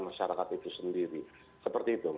masyarakat itu sendiri seperti itu